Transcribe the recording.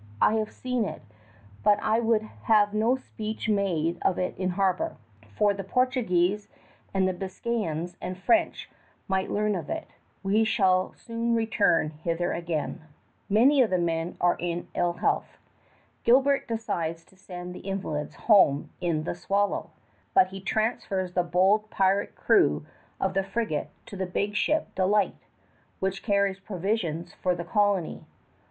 I have seen it but I would have no speech made of it in harbor; for the Portuguese and Biscayans and French might learn of it. We shall soon return hither again." [Illustration: SIR HUMPHREY GILBERT] Many of the men are in ill health. Gilbert decides to send the invalids home in the Swallow; but he transfers the bold pirate crew of that frigate to the big ship Delight, which carries provisions for the colony.